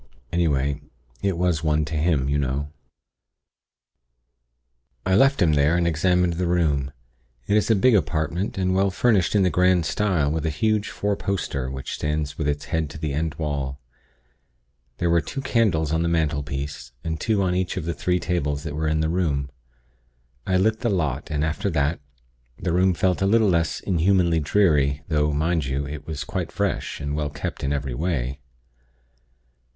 Anyway, it was one to him, you know. "I left him there, and examined the room. It is a big apartment, and well furnished in the grand style, with a huge four poster, which stands with its head to the end wall. There were two candles on the mantelpiece, and two on each of the three tables that were in the room. I lit the lot, and after that, the room felt a little less inhumanly dreary; though, mind you, it was quite fresh, and well kept in every way.